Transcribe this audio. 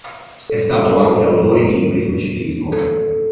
È stato anche autore di libri sul ciclismo.